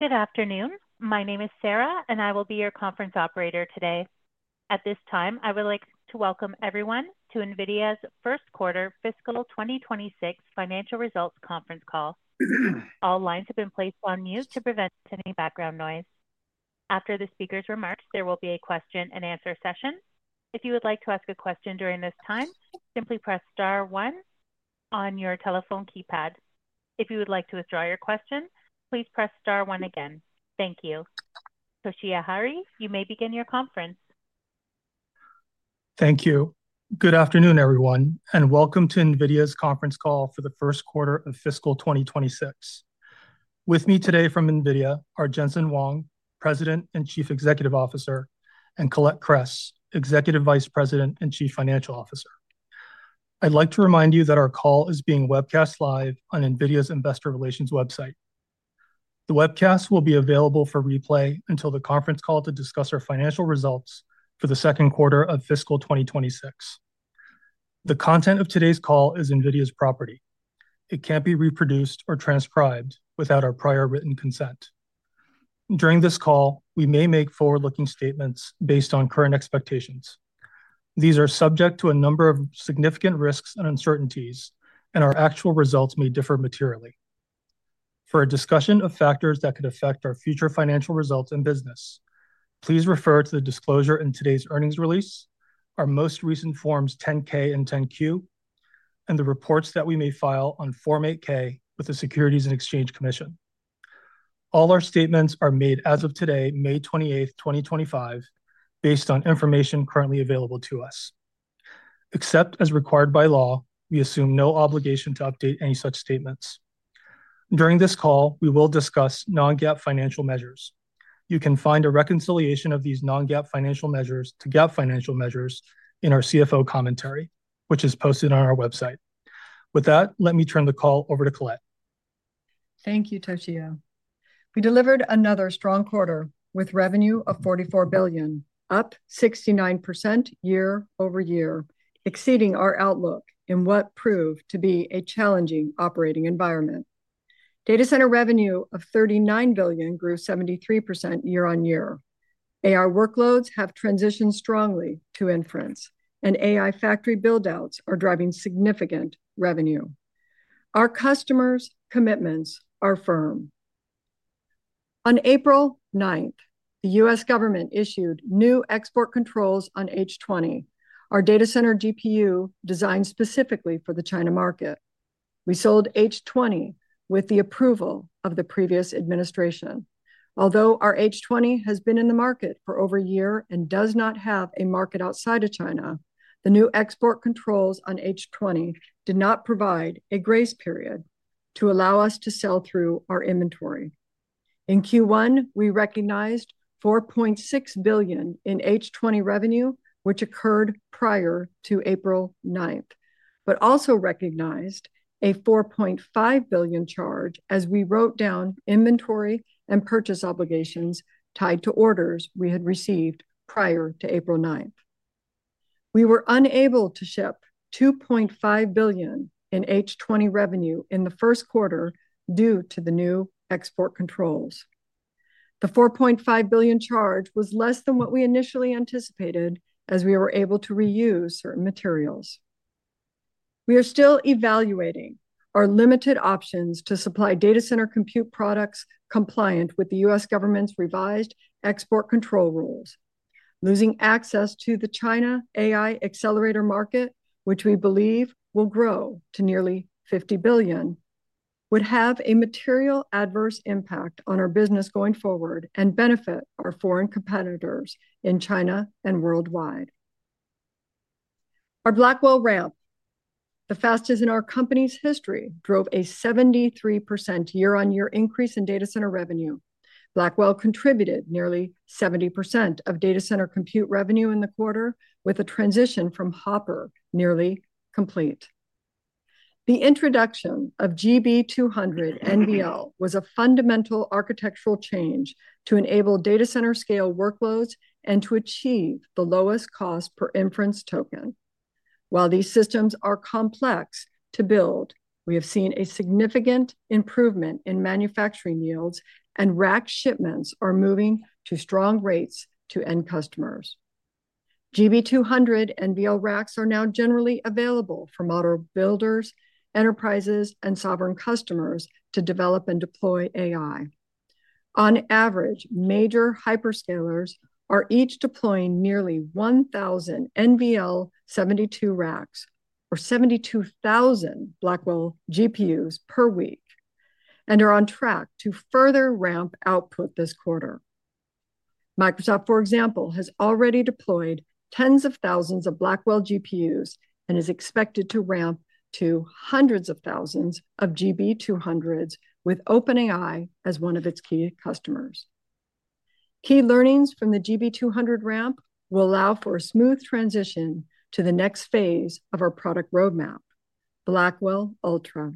Good afternoon. My name is Sarah, and I will be your conference operator today. At this time, I would like to welcome everyone to NVIDIA's First Quarter Fiscal 2026 Financial Results Conference Call. All lines have been placed on mute to prevent any background noise. After the speakers are marked, there will be a question-and-answer session. If you would like to ask a question during this time, simply press star one on your telephone keypad. If you would like to withdraw your question, please press star one again. Thank you. Toshiya Hari, you may begin your conference. Thank you. Good afternoon, everyone, and welcome to NVIDIA's conference call for the first quarter of fiscal 2026. With me today from NVIDIA are Jensen Huang, President and Chief Executive Officer, and Colette Kress, Executive Vice President and Chief Financial Officer. I'd like to remind you that our call is being webcast live on NVIDIA's Investor Relations website. The webcast will be available for replay until the conference call to discuss our financial results for the second quarter of fiscal 2026. The content of today's call is NVIDIA's property. It can't be reproduced or transcribed without our prior written consent. During this call, we may make forward-looking statements based on current expectations. These are subject to a number of significant risks and uncertainties, and our actual results may differ materially. For a discussion of factors that could affect our future financial results in business, please refer to the disclosure in today's earnings release, our most recent Forms 10-K and 10-Q, and the reports that we may file on Form 8-K with the Securities and Exchange Commission. All our statements are made as of today, May 28th, 2025, based on information currently available to us. Except as required by law, we assume no obligation to update any such statements. During this call, we will discuss non-GAAP financial measures. You can find a reconciliation of these non-GAAP financial measures to GAAP financial measures in our CFO commentary, which is posted on our website. With that, let me turn the call over to Colette. Thank you, Toshiya. We delivered another strong quarter with revenue of $44 billion, up 69% year-over-year, exceeding our outlook in what proved to be a challenging operating environment. Data center revenue of $39 billion grew 73% year-on-year. AI workloads have transitioned strongly to inference, and AI factory buildouts are driving significant revenue. Our customers' commitments are firm. On April 9, the U.S. government issued new export controls on H20, our data center GPU designed specifically for the China market. We sold H20 with the approval of the previous administration. Although our H20 has been in the market for over a year and does not have a market outside of China, the new export controls on H20 did not provide a grace period to allow us to sell through our inventory. In Q1, we recognized $4.6 billion in H20 revenue, which occurred prior to April 9th, but also recognized a $4.5 billion charge as we wrote down inventory and purchase obligations tied to orders we had received prior to April 9th. We were unable to ship $2.5 billion in H20 revenue in the first quarter due to the new export controls. The $4.5 billion charge was less than what we initially anticipated as we were able to reuse certain materials. We are still evaluating our limited options to supply data center compute products compliant with the U.S. government's revised export control rules. Losing access to the China AI accelerator market, which we believe will grow to nearly $50 billion, would have a material adverse impact on our business going forward and benefit our foreign competitors in China and worldwide. Our Blackwell ramp, the fastest in our company's history, drove a 73% year-on-year increase in data center revenue. Blackwell contributed nearly 70% of data center compute revenue in the quarter, with a transition from Hopper nearly complete. The introduction of GB200 NVL was a fundamental architectural change to enable data center-scale workloads and to achieve the lowest cost per inference token. While these systems are complex to build, we have seen a significant improvement in manufacturing yields, and rack shipments are moving to strong rates to end customers. GB200 NVL racks are now generally available for model builders, enterprises, and sovereign customers to develop and deploy AI. On average, major hyperscalers are each deploying nearly 1,000 NVL72 racks or 72,000 Blackwell GPUs per week and are on track to further ramp output this quarter. Microsoft, for example, has already deployed tens of thousands of Blackwell GPUs and is expected to ramp to hundreds of thousands of GB200s with OpenAI as one of its key customers. Key learnings from the GB200 ramp will allow for a smooth transition to the next phase of our product roadmap, Blackwell Ultra.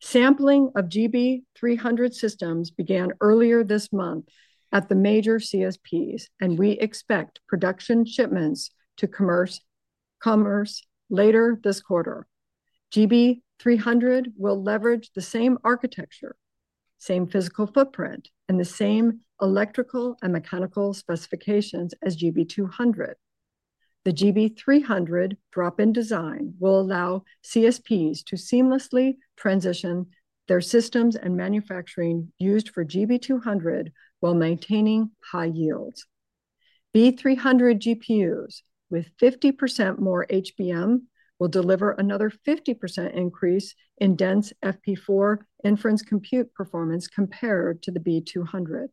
Sampling of GB300 systems began earlier this month at the major CSPs, and we expect production shipments to commence later this quarter. GB300 will leverage the same architecture, same physical footprint, and the same electrical and mechanical specifications as GB200. The GB300 drop-in design will allow CSPs to seamlessly transition their systems and manufacturing used for GB200 while maintaining high yields. B300 GPUs with 50% more HBM will deliver another 50% increase in dense FP4 inference compute performance compared to the B200.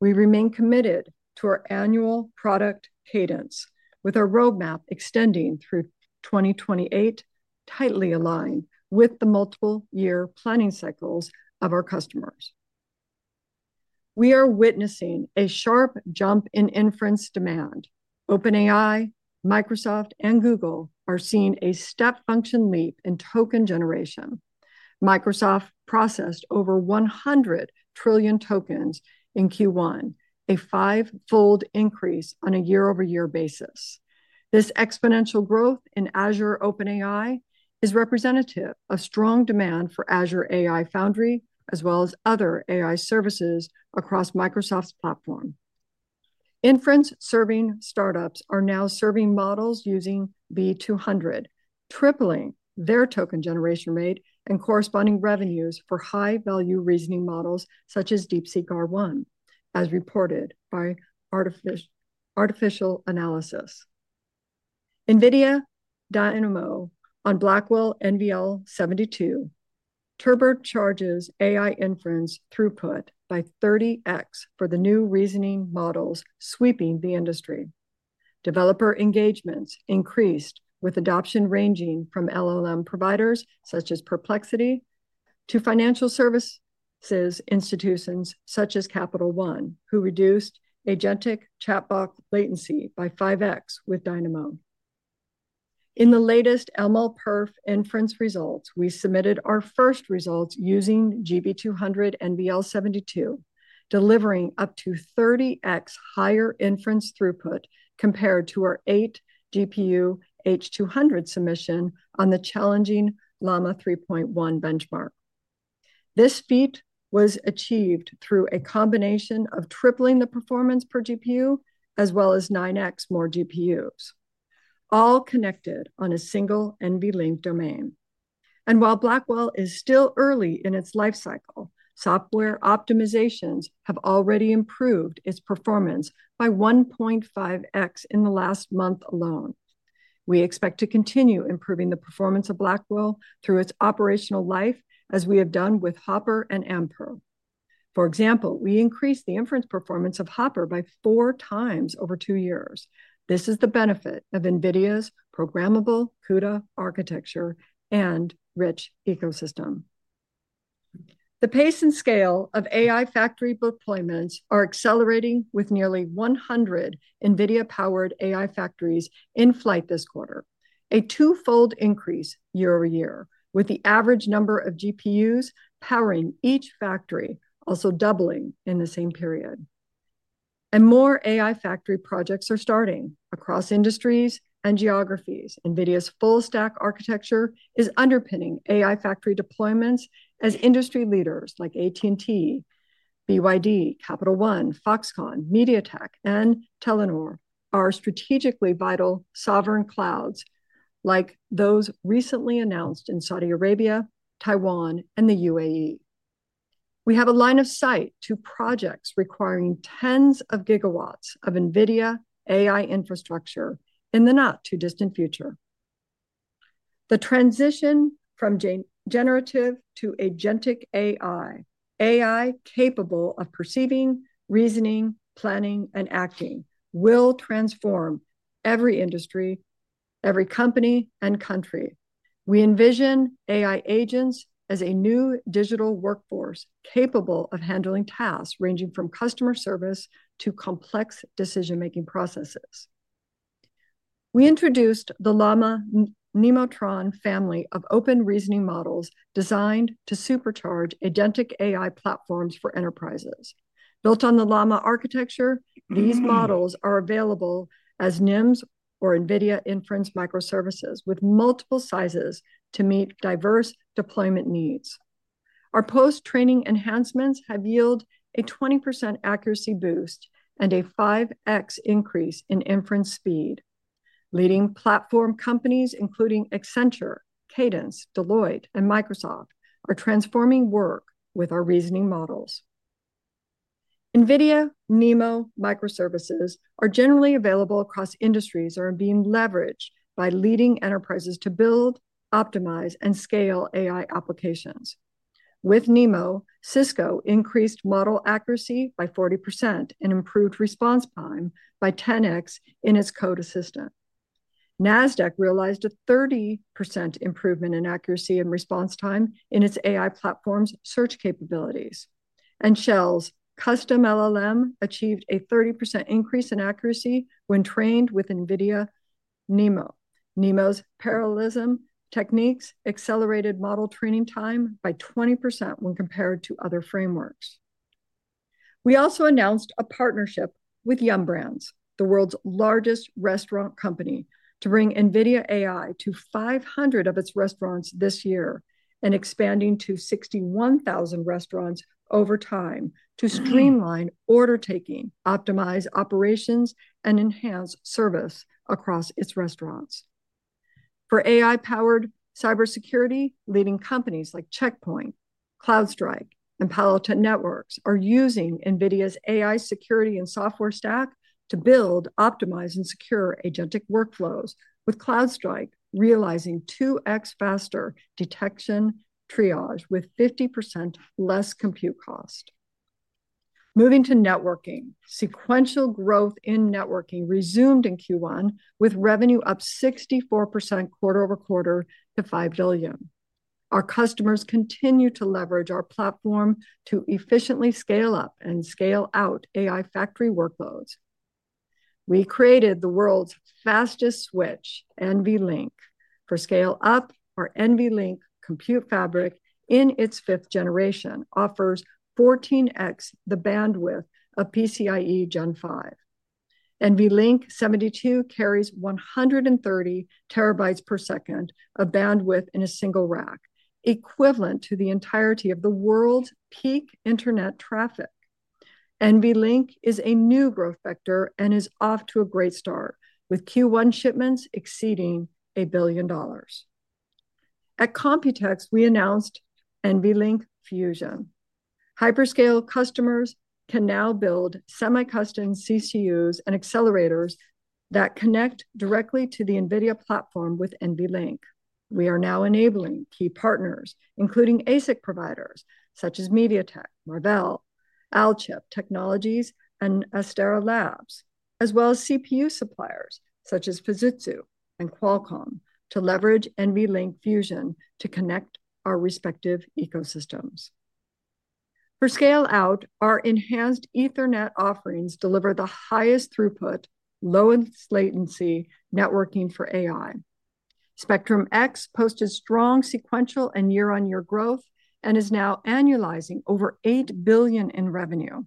We remain committed to our annual product cadence, with our roadmap extending through 2028, tightly aligned with the multiple-year planning cycles of our customers. We are witnessing a sharp jump in inference demand. OpenAI, Microsoft, and Google are seeing a step-function leap in token generation. Microsoft processed over 100 trillion tokens in Q1, a fivefold increase on a year-over-year basis. This exponential growth in Azure OpenAI is representative of strong demand for Azure AI Foundry, as well as other AI services across Microsoft's platform. Inference-serving startups are now serving models using B200, tripling their token generation rate and corresponding revenues for high-value reasoning models such as DeepSeek R1, as reported by Artificial Analysis. NVIDIA Dynamo on Blackwell NVL72 turbocharges AI inference throughput by 30x for the new reasoning models sweeping the industry. Developer engagements increased with adoption ranging from LLM providers such as Perplexity to financial services institutions such as Capital One, who reduced agentic chatbot latency by 5x with Dynamo. In the latest MLPerf inference results, we submitted our first results using GB200 NVL72, delivering up to 30x higher inference throughput compared to our eight GPU H200 submission on the challenging Llama 3.1 benchmark. This feat was achieved through a combination of tripling the performance per GPU as well as 9x more GPUs, all connected on a single NVLink domain. While Blackwell is still early in its life cycle, software optimizations have already improved its performance by 1.5x in the last month alone. We expect to continue improving the performance of Blackwell through its operational life, as we have done with Hopper and Ampere. For example, we increased the inference performance of Hopper by four times over two years. This is the benefit of NVIDIA's programmable CUDA architecture and rich ecosystem. The pace and scale of AI factory deployments are accelerating with nearly 100 NVIDIA-powered AI factories in flight this quarter, a twofold increase year-over-year, with the average number of GPUs powering each factory also doubling in the same period. More AI factory projects are starting across industries and geographies. NVIDIA's full-stack architecture is underpinning AI factory deployments as industry leaders like AT&T, BYD, Capital One, Foxconn, MediaTek, and Telenor are strategically vital sovereign clouds like those recently announced in Saudi Arabia, Taiwan, and the UAE. We have a line of sight to projects requiring tens of GW of NVIDIA AI infrastructure in the not-too-distant future. The transition from generative to agentic AI, AI capable of perceiving, reasoning, planning, and acting, will transform every industry, every company, and country. We envision AI agents as a new digital workforce capable of handling tasks ranging from customer service to complex decision-making processes. We introduced the Llama Nemotron family of open reasoning models designed to supercharge agentic AI platforms for enterprises. Built on the Llama architecture, these models are available as NIMs or NVIDIA Inference Microservices with multiple sizes to meet diverse deployment needs. Our post-training enhancements have yielded a 20% accuracy boost and a 5x increase in inference speed. Leading platform companies, including Accenture, Cadence, Deloitte, and Microsoft, are transforming work with our reasoning models. NVIDIA NeMo Microservices are generally available across industries and are being leveraged by leading enterprises to build, optimize, and scale AI applications. With NeMo, Cisco increased model accuracy by 40% and improved response time by 10x in its code assistant. Nasdaq realized a 30% improvement in accuracy and response time in its AI platform's search capabilities. Shell's custom LLM achieved a 30% increase in accuracy when trained with NVIDIA NeMo. NeMo's parallelism techniques accelerated model training time by 20% when compared to other frameworks. We also announced a partnership with Yum Brands, the world's largest restaurant company, to bring NVIDIA AI to 500 of its restaurants this year and expanding to 61,000 restaurants over time to streamline order taking, optimize operations, and enhance service across its restaurants. For AI-powered cybersecurity, leading companies like Check Point, CrowdStrike, and Palo Alto Networks are using NVIDIA's AI security and software stack to build, optimize, and secure agentic workflows, with CrowdStrike realizing 2x faster detection triage with 50% less compute cost. Moving to networking, sequential growth in networking resumed in Q1, with revenue up 64% quarter-over-quarter to $5 billion. Our customers continue to leverage our platform to efficiently scale up and scale out AI factory workloads. We created the world's fastest switch, NVLink. For scale-up, our NVLink compute fabric in its fifth generation offers 14x the bandwidth of PCIe Gen 5. NVLink 72 carries 130 TB per second of bandwidth in a single rack, equivalent to the entirety of the world's peak internet traffic. NVLink is a new growth vector and is off to a great start, with Q1 shipments exceeding $1 billion. At Computex, we announced NVLink Fusion. Hyperscale customers can now build semi-custom CCUs and accelerators that connect directly to the NVIDIA platform with NVLink. We are now enabling key partners, including ASIC providers such as MediaTek, Marvell, Alchip Technologies, and Astera Labs, as well as CPU suppliers such as Fujitsu and Qualcomm, to leverage NVLink Fusion to connect our respective ecosystems. For scale-out, our enhanced Ethernet offerings deliver the highest throughput, lowest latency networking for AI. SpectrumX posted strong sequential and year-on-year growth and is now annualizing over $8 billion in revenue.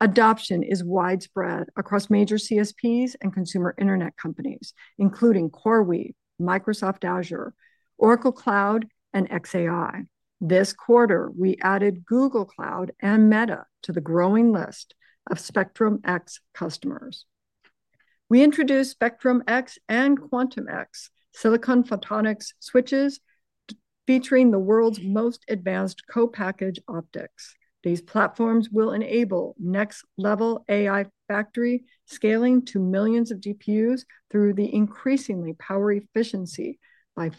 Adoption is widespread across major CSPs and consumer internet companies, including CoreWeave, Microsoft Azure, Oracle Cloud, and xAI. This quarter, we added Google Cloud and Meta to the growing list of SpectrumX customers. We introduced SpectrumX and QuantumX silicon photonics switches featuring the world's most advanced co-package optics. These platforms will enable next-level AI factory scaling to millions of GPUs through the increasingly power efficiency by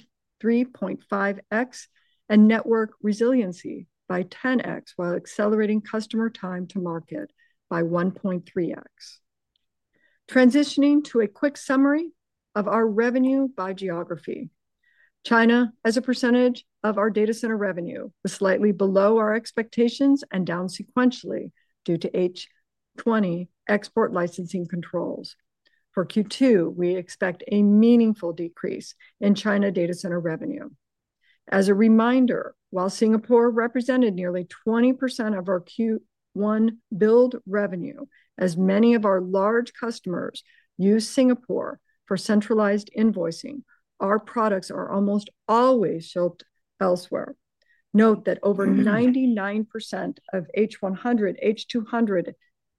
3.5x and network resiliency by 10x while accelerating customer time to market by 1.3x. Transitioning to a quick summary of our revenue by geography. China, as a percentage of our data center revenue, was slightly below our expectations and down sequentially due to H20 export licensing controls. For Q2, we expect a meaningful decrease in China data center revenue. As a reminder, while Singapore represented nearly 20% of our Q1 build revenue, as many of our large customers use Singapore for centralized invoicing, our products are almost always shipped elsewhere. Note that over 99% of H100, H200,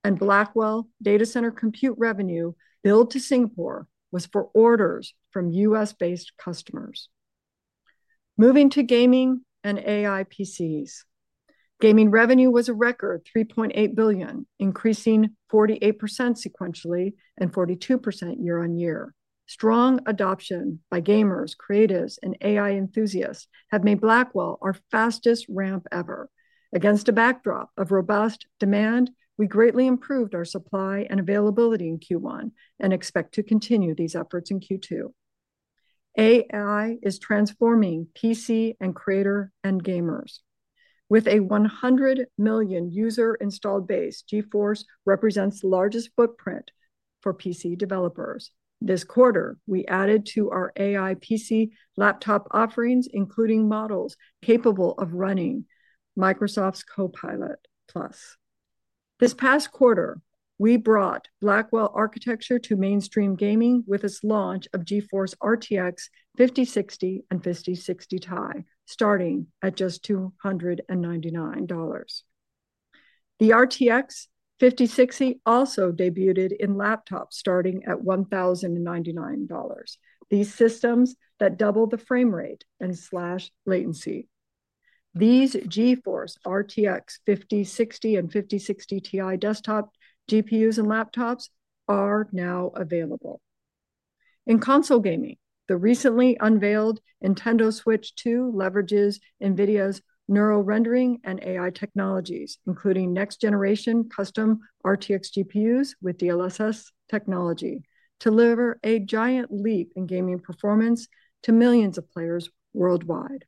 and Blackwell data center compute revenue billed to Singapore was for orders from U.S.-based customers. Moving to gaming and AI PCs. Gaming revenue was a record $3.8 billion, increasing 48% sequentially and 42% year-on-year. Strong adoption by gamers, creatives, and AI enthusiasts have made Blackwell our fastest ramp ever. Against a backdrop of robust demand, we greatly improved our supply and availability in Q1 and expect to continue these efforts in Q2. AI is transforming PC and creator and gamers. With a 100 million user installed base, GeForce represents the largest footprint for PC developers. This quarter, we added to our AI PC laptop offerings, including models capable of running Microsoft's Copilot+. This past quarter, we brought Blackwell architecture to mainstream gaming with its launch of GeForce RTX 5060 and 5060 Ti, starting at just $299. The RTX 5060 also debuted in laptops, starting at $1,099. These systems that doubled the frame rate and slash latency. These GeForce RTX 5060 and 5060 Ti desktop GPUs and laptops are now available. In console gaming, the recently unveiled Nintendo Switch 2 leverages NVIDIA's neural rendering and AI technologies, including next-generation custom RTX GPUs with DLSS technology, to deliver a giant leap in gaming performance to millions of players worldwide.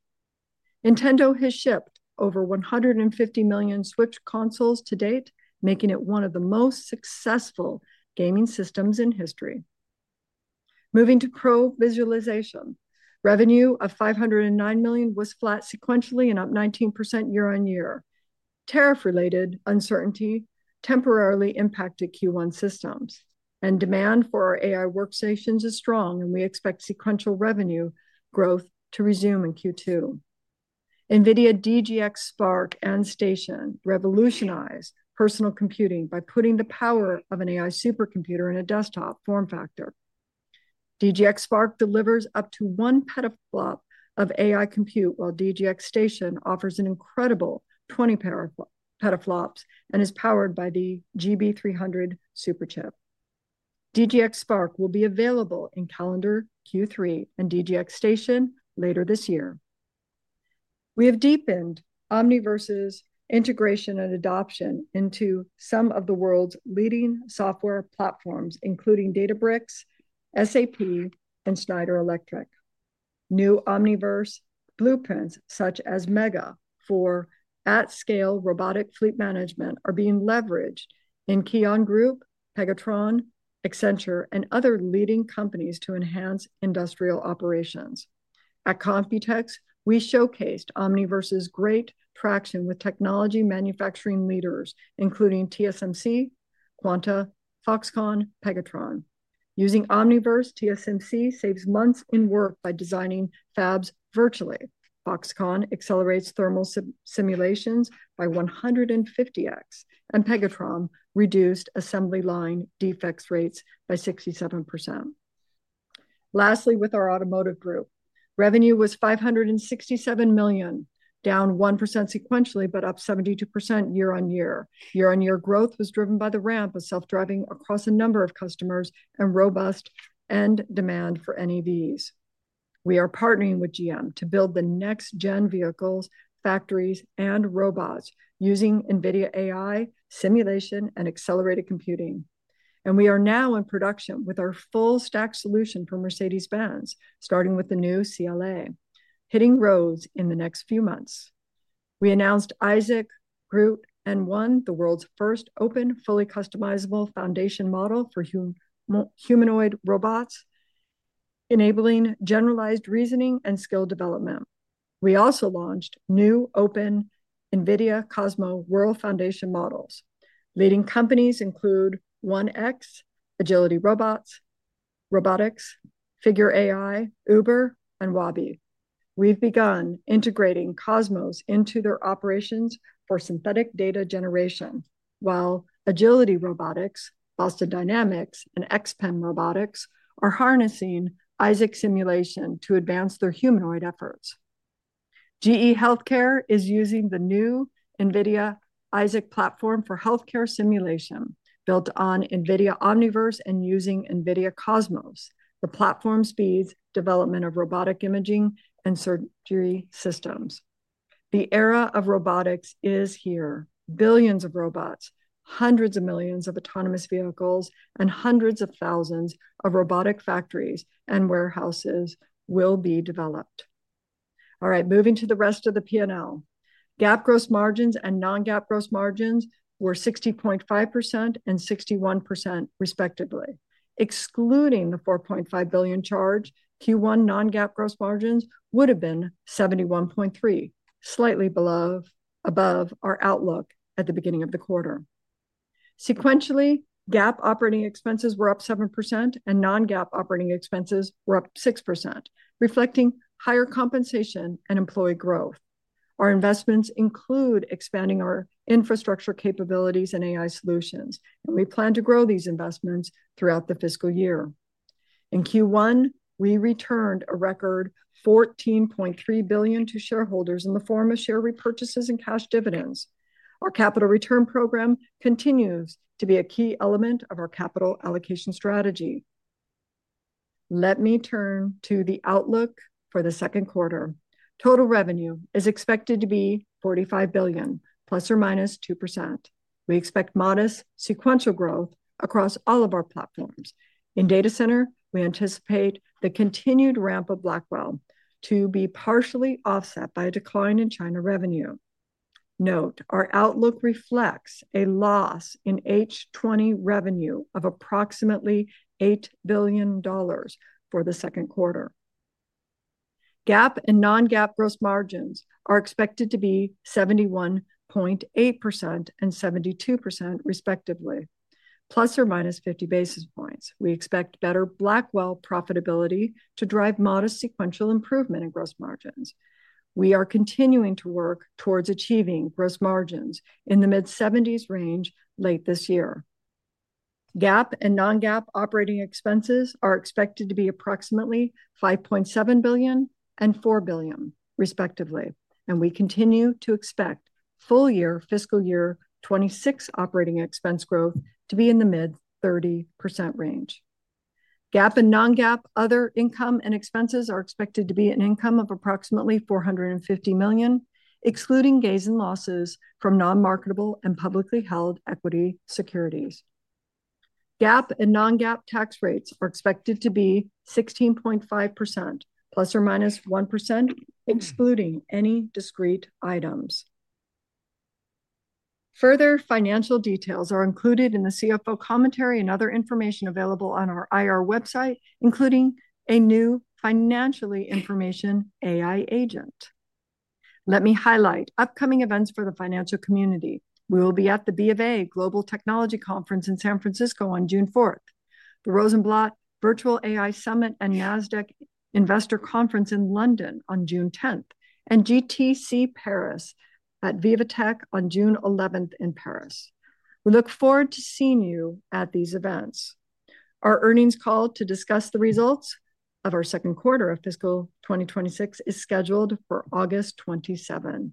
Nintendo has shipped over 150 million Switch consoles to date, making it one of the most successful gaming systems in history. Moving to probe visualization. Revenue of $509 million was flat sequentially and up 19% year-on-year. Tariff-related uncertainty temporarily impacted Q1 systems, and demand for our AI workstations is strong, and we expect sequential revenue growth to resume in Q2. NVIDIA DGX Spark and Station revolutionized personal computing by putting the power of an AI supercomputer in a desktop form factor. DGX Spark delivers up to one petaflop of AI compute, while DGX Station offers an incredible 20 petaflops and is powered by the GB300 superchip. DGX Spark will be available in calendar Q3 and DGX Station later this year. We have deepened Omniverse's integration and adoption into some of the world's leading software platforms, including Databricks, SAP, and Schneider Electric. New Omniverse blueprints such as Mega for at-scale robotic fleet management are being leveraged in Kion Group, Pegatron, Accenture, and other leading companies to enhance industrial operations. At Computex, we showcased Omniverse's great traction with technology manufacturing leaders, including TSMC, Quanta, Foxconn, Pegatron. Using Omniverse, TSMC saves months in work by designing fabs virtually. Foxconn accelerates thermal simulations by 150x, and Pegatron reduced assembly line defect rates by 67%. Lastly, with our automotive group, revenue was $567 million, down 1% sequentially, but up 72% year-on-year. Year-on-year growth was driven by the ramp of self-driving across a number of customers and robust end demand for NEVs. We are partnering with GM to build the next-gen vehicles, factories, and robots using NVIDIA AI simulation and accelerated computing. We are now in production with our full-stack solution for Mercedes-Benz, starting with the new CLA, hitting roads in the next few months. We announced Isaac GR00T and won the world's first open, fully customizable foundation model for humanoid robots, enabling generalized reasoning and skill development. We also launched new open NVIDIA Cosmos World Foundation models. Leading companies include One X, Agility Robotics, Figure AI, Uber, and Wobot. We've begun integrating Cosmos into their operations for synthetic data generation, while Agility Robotics, Boston Dynamics, and XPeng Robotics are harnessing Isaac simulation to advance their humanoid efforts. GE Healthcare is using the new NVIDIA Isaac platform for healthcare simulation built on NVIDIA Omniverse and using NVIDIA Cosmos, the platform speeds development of robotic imaging and surgery systems. The era of robotics is here. Billions of robots, hundreds of millions of autonomous vehicles, and hundreds of thousands of robotic factories and warehouses will be developed. All right, moving to the rest of the P&L. GAAP gross margins and non-GAAP gross margins were 60.5% and 61%, respectively. Excluding the $4.5 billion charge, Q1 non-GAAP gross margins would have been 71.3%, slightly above our outlook at the beginning of the quarter. Sequentially, GAAP operating expenses were up 7%, and non-GAAP operating expenses were up 6%, reflecting higher compensation and employee growth. Our investments include expanding our infrastructure capabilities and AI solutions, and we plan to grow these investments throughout the fiscal year. In Q1, we returned a record $14.3 billion to shareholders in the form of share repurchases and cash dividends. Our capital return program continues to be a key element of our capital allocation strategy. Let me turn to the outlook for the second quarter. Total revenue is expected to be $45 billion, + or -2%. We expect modest sequential growth across all of our platforms. In data center, we anticipate the continued ramp of Blackwell to be partially offset by a decline in China revenue. Note, our outlook reflects a loss in H20 revenue of approximately $8 billion for the second quarter. GAAP and non-GAAP gross margins are expected to be 71.8% and 72%, respectively, + or-50 basis points. We expect better Blackwell profitability to drive modest sequential improvement in gross margins. We are continuing to work towards achieving gross margins in the mid-70s range late this year. GAAP and non-GAAP operating expenses are expected to be approximately $5.7 billion and $4 billion, respectively, and we continue to expect full year fiscal year 2026 operating expense growth to be in the mid-30% range. GAAP and non-GAAP other income and expenses are expected to be an income of approximately $450 million, excluding gain and losses from non-marketable and publicly held equity securities. GAAP and non-GAAP tax rates are expected to be 16.5%, + or -1%, excluding any discrete items. Further financial details are included in the CFO commentary and other information available on our IR website, including a new Financial Information AI agent. Let me highlight upcoming events for the financial community. We will be at the B of A Global Technology Conference in San Francisco on June 4th, the Rosenblatt Virtual AI Summit and Nasdaq Investor Conference in London on June 10th, and GTC Paris at VivaTech on June 11th in Paris. We look forward to seeing you at these events. Our earnings call to discuss the results of our second quarter of fiscal 2026 is scheduled for August 27th.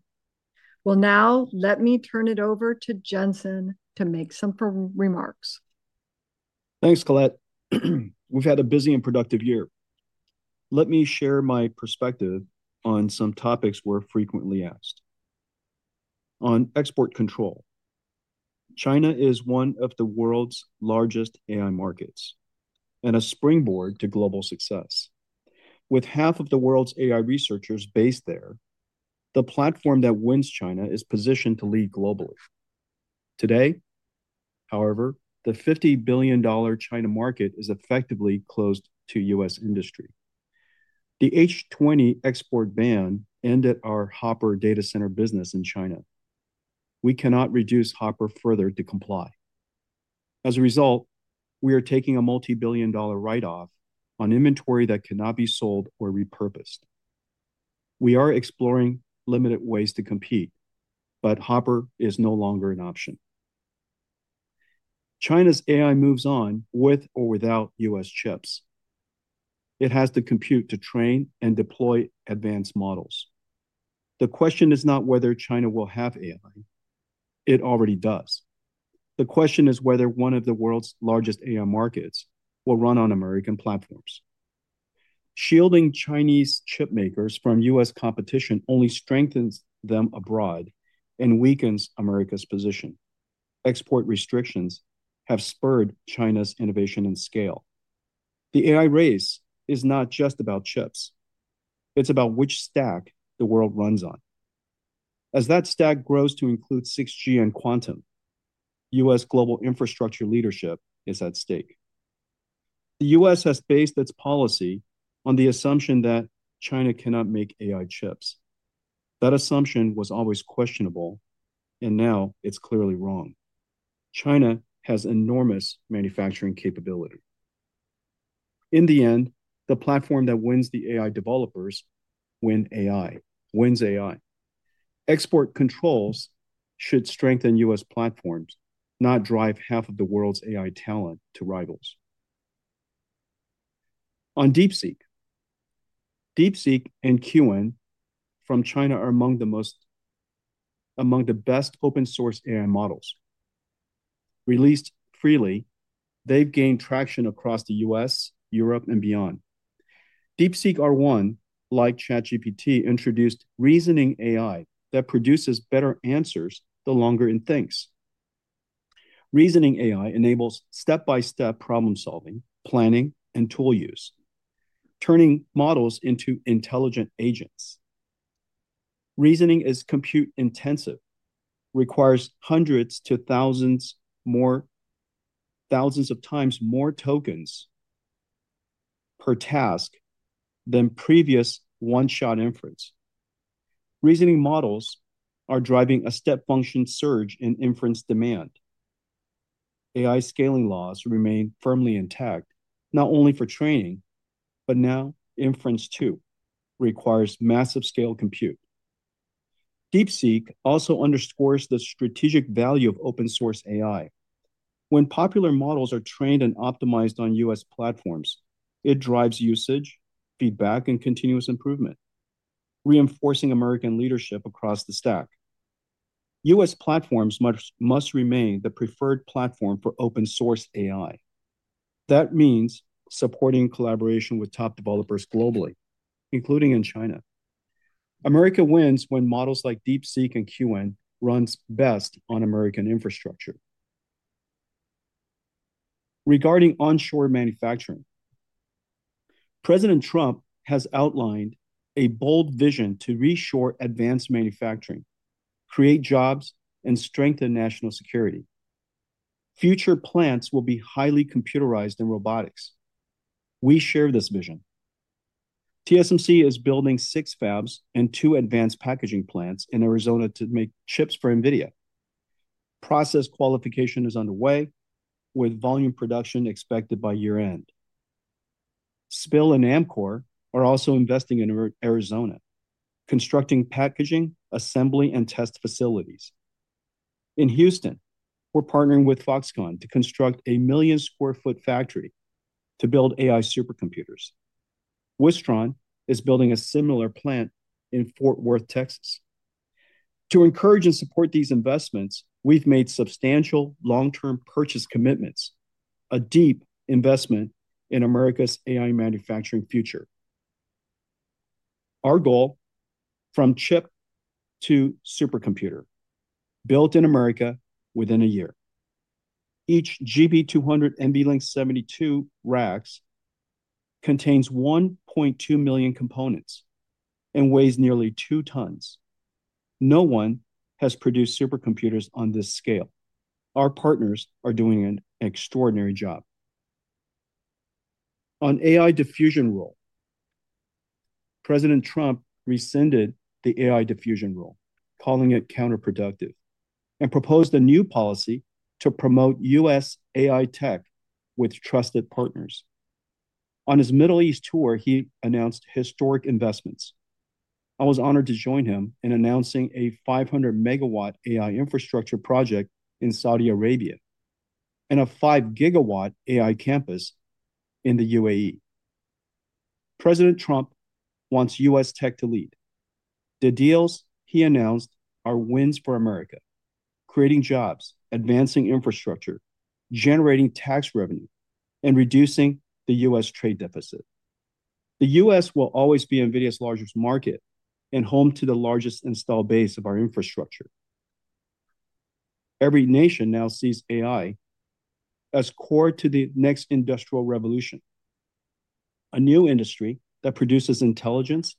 Now let me turn it over to Jensen to make some remarks. Thanks, Colette. We've had a busy and productive year. Let me share my perspective on some topics we're frequently asked. On export control, China is one of the world's largest AI markets and a springboard to global success. With half of the world's AI researchers based there, the platform that wins China is positioned to lead globally. Today, however, the $50 billion China market is effectively closed to U.S. industry. The H20 export ban ended our Hopper data center business in China. We cannot reduce Hopper further to comply. As a result, we are taking a multi-billion dollar write-off on inventory that cannot be sold or repurposed. We are exploring limited ways to compete, but Hopper is no longer an option. China's AI moves on with or without U.S. chips. It has to compute to train and deploy advanced models. The question is not whether China will have AI. It already does. The question is whether one of the world's largest AI markets will run on American platforms. Shielding Chinese chip makers from U.S. competition only strengthens them abroad and weakens America's position. Export restrictions have spurred China's innovation and scale. The AI race is not just about chips. It's about which stack the world runs on. As that stack grows to include 6G and quantum, U.S. global infrastructure leadership is at stake. The U.S. has based its policy on the assumption that China cannot make AI chips. That assumption was always questionable, and now it's clearly wrong. China has enormous manufacturing capability. In the end, the platform that wins the AI developers wins AI. Export controls should strengthen U.S. platforms, not drive half of the world's AI talent to rivals. On DeepSeek, DeepSeek and QN from China are among the best open-source AI models. Released freely, they've gained traction across the U.S., Europe, and beyond. DeepSeek R1, like ChatGPT, introduced Reasoning AI that produces better answers the longer it thinks. Reasoning AI enables step-by-step problem-solving, planning, and tool use, turning models into intelligent agents. Reasoning is compute-intensive, requires hundreds to thousands of times more tokens per task than previous one-shot inference. Reasoning models are driving a step-function surge in inference demand. AI scaling laws remain firmly intact, not only for training, but now inference too requires massive-scale compute. DeepSeek also underscores the strategic value of open-source AI. When popular models are trained and optimized on U.S. platforms, it drives usage, feedback, and continuous improvement, reinforcing American leadership across the stack. U.S. platforms must remain the preferred platform for open-source AI. That means supporting collaboration with top developers globally, including in China. America wins when models like DeepSeek and QN run best on American infrastructure. Regarding onshore manufacturing, President Trump has outlined a bold vision to reshore advanced manufacturing, create jobs, and strengthen national security. Future plants will be highly computerized and robotics. We share this vision. TSMC is building six fabs and two advanced packaging plants in Arizona to make chips for NVIDIA. Process qualification is underway, with volume production expected by year-end. Spill and Amcor are also investing in Arizona, constructing packaging, assembly, and test facilities. In Houston, we're partnering with Foxconn to construct a million-square-foot factory to build AI supercomputers. Wistron is building a similar plant in Fort Worth, Texas. To encourage and support these investments, we've made substantial long-term purchase commitments, a deep investment in America's AI manufacturing future. Our goal: from chip to supercomputer, built in America within a year. Each GB200 NVLink 72 racks contains 1.2 million components and weighs nearly 2 tons. No one has produced supercomputers on this scale. Our partners are doing an extraordinary job. On AI diffusion rule, President Trump rescinded the AI diffusion rule, calling it counterproductive, and proposed a new policy to promote U.S. AI tech with trusted partners. On his Middle East tour, he announced historic investments. I was honored to join him in announcing a 500 MW AI infrastructure project in Saudi Arabia and a 5 GW AI campus in the UAE. President Trump wants U.S. tech to lead. The deals he announced are wins for America: creating jobs, advancing infrastructure, generating tax revenue, and reducing the U.S. trade deficit. The U.S. will always be NVIDIA's largest market and home to the largest installed base of our infrastructure. Every nation now sees AI as core to the next industrial revolution, a new industry that produces intelligence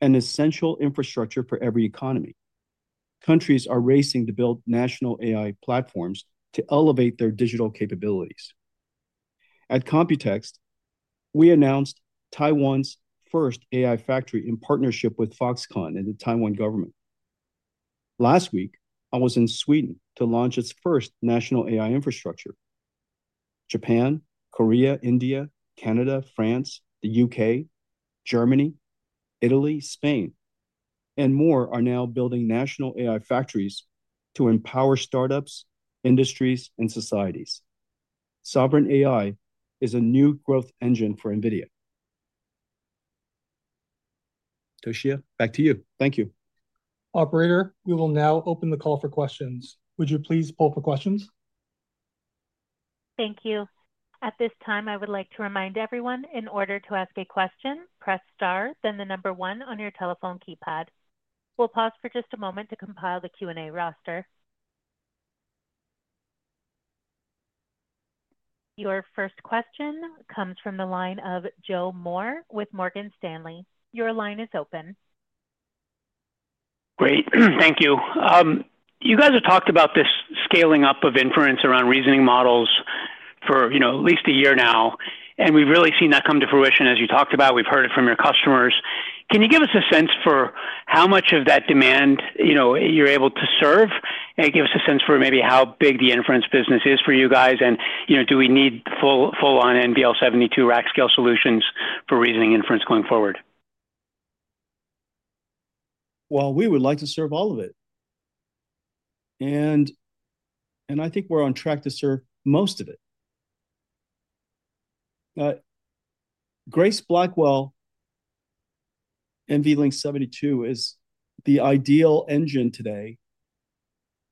and essential infrastructure for every economy. Countries are racing to build national AI platforms to elevate their digital capabilities. At Computex, we announced Taiwan's first AI factory in partnership with Foxconn and the Taiwan government. Last week, I was in Sweden to launch its first national AI infrastructure. Japan, Korea, India, Canada, France, the U.K., Germany, Italy, Spain, and more are now building national AI factories to empower startups, industries, and societies. Sovereign AI is a new growth engine for NVIDIA. Toshiya, back to you. Thank you. Operator, we will now open the call for questions. Would you please pull for questions? Thank you. At this time, I would like to remind everyone, in order to ask a question, press star, then the number one on your telephone keypad. We'll pause for just a moment to compile the Q&A roster. Your first question comes from the line of Joe Moore with Morgan Stanley. Your line is open. Great. Thank you. You guys have talked about this scaling up of inference around reasoning models for at least a year now, and we've really seen that come to fruition, as you talked about. We've heard it from your customers. Can you give us a sense for how much of that demand you're able to serve? Give us a sense for maybe how big the inference business is for you guys, and do we need full-on NVL72 rack scale solutions for reasoning inference going forward? We would like to serve all of it, and I think we're on track to serve most of it. Grace Blackwell, NVLink 72, is the ideal engine today,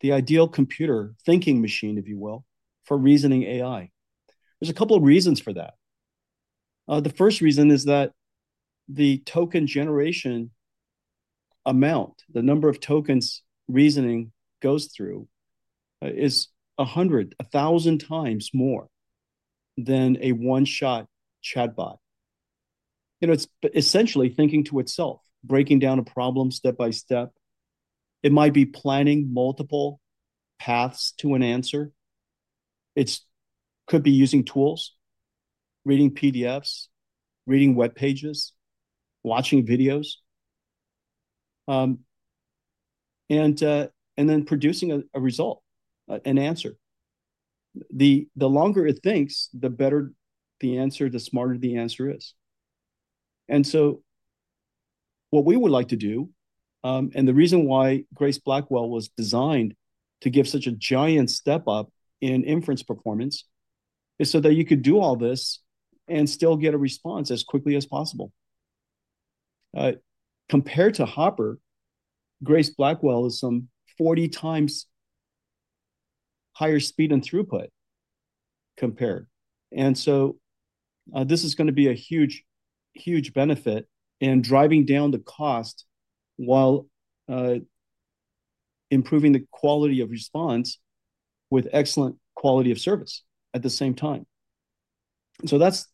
the ideal computer thinking machine, if you will, for reasoning AI. There's a couple of reasons for that. The first reason is that the token generation amount, the number of tokens reasoning goes through, is 1000 times more than a one-shot chatbot. It's essentially thinking to itself, breaking down a problem step by step. It might be planning multiple paths to an answer. It could be using tools, reading PDFs, reading web pages, watching videos, and then producing a result, an answer. The longer it thinks, the better the answer, the smarter the answer is. What we would like to do, and the reason why Grace Blackwell was designed to give such a giant step up in inference performance, is so that you could do all this and still get a response as quickly as possible. Compared to Hopper, Grace Blackwell is some 40 times higher speed and throughput compared. This is going to be a huge benefit in driving down the cost while improving the quality of response with excellent quality of service at the same time. That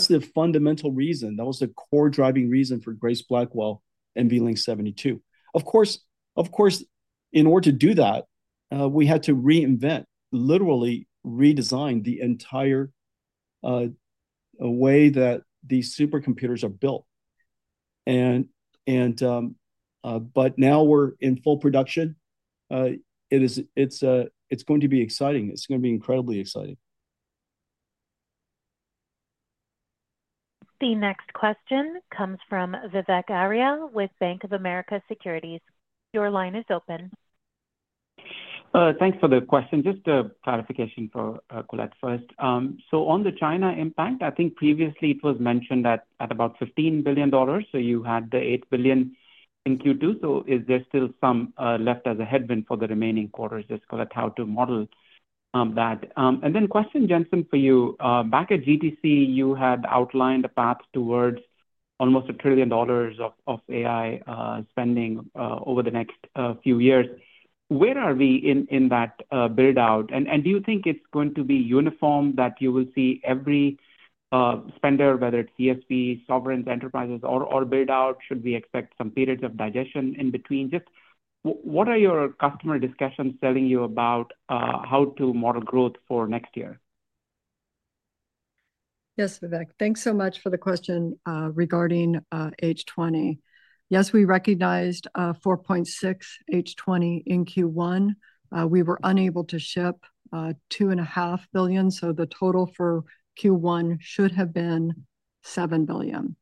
is the fundamental reason. That was the core driving reason for Grace Blackwell NVLink 72. Of course, in order to do that, we had to reinvent, literally redesign the entire way that these supercomputers are built. Now we're in full production. It's going to be exciting. It's going to be incredibly exciting. The next question comes from Vivek Arya with Bank of America Securities. Your line is open. Thanks for the question. Just a clarification for Colette first. On the China impact, I think previously it was mentioned at about $15 billion. You had the $8 billion in Q2. Is there still some left as a headwind for the remaining quarters? Colette, how to model that? Question, Jensen, for you. Back at GTC, you had outlined a path towards almost a trillion dollars of AI spending over the next few years. Where are we in that build-out? Do you think it's going to be uniform that you will see every spender, whether it's ESP, sovereigns, enterprises, or build-out? Should we expect some periods of digestion in between? Just what are your customer discussions telling you about how to model growth for next year? Yes, Vivek, thanks so much for the question regarding H20. Yes, we recognized $4.6 billion H20 in Q1. We were unable to ship $2.5 billion. The total for Q1 should have been $7 billion.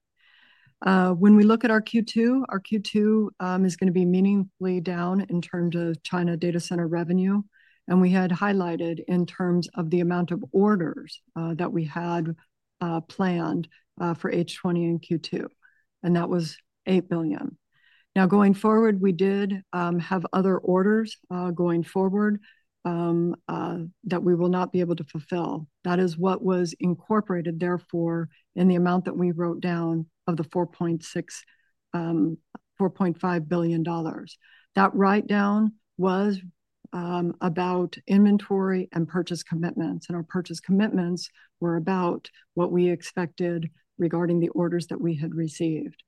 When we look at our Q2, our Q2 is going to be meaningfully down in terms of China data center revenue. We had highlighted in terms of the amount of orders that we had planned for H20 in Q2, and that was $8 billion. Now, going forward, we did have other orders going forward that we will not be able to fulfill. That is what was incorporated, therefore, in the amount that we wrote down of the $4.5 billion. That write-down was about inventory and purchase commitments. And our purchase commitments were about what we expected regarding the orders that we had received.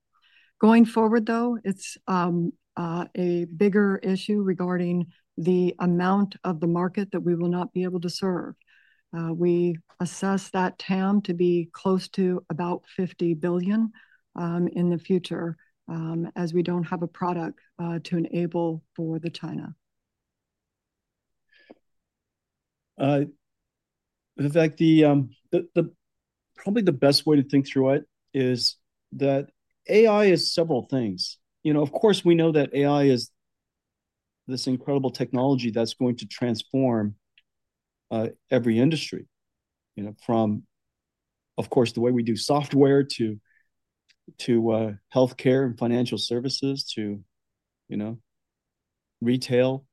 Going forward, though, it's a bigger issue regarding the amount of the market that we will not be able to serve. We assess that TAM to be close to about $50 billion in the future as we don't have a product to enable for the China. Vivek, probably the best way to think through it is that AI is several things. Of course, we know that AI is this incredible technology that's going to transform every industry, from, of course, the way we do software to healthcare and financial services to retail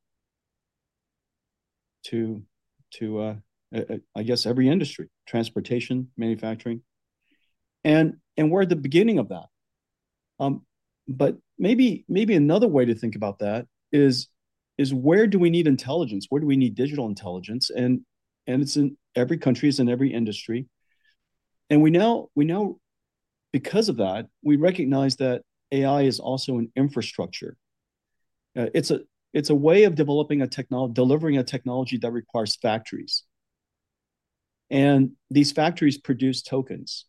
to, I guess, every industry, transportation, manufacturing. And we're at the beginning of that. Maybe another way to think about that is, where do we need intelligence? Where do we need digital intelligence? Every country is in every industry. We know, because of that, we recognize that AI is also an infrastructure. It is a way of delivering a technology that requires factories. These factories produce tokens.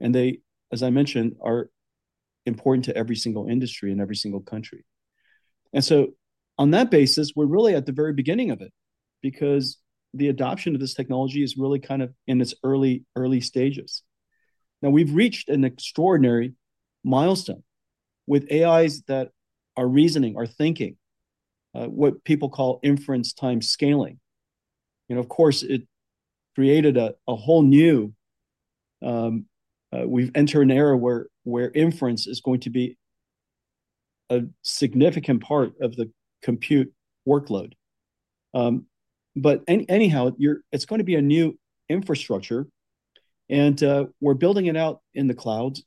They, as I mentioned, are important to every single industry and every single country. On that basis, we are really at the very beginning of it because the adoption of this technology is really kind of in its early stages. Now, we have reached an extraordinary milestone with AIs that are reasoning, are thinking, what people call inference time scaling. Of course, it created a whole new era. We have entered an era where inference is going to be a significant part of the compute workload. Anyhow, it is going to be a new infrastructure. We're building it out in the clouds.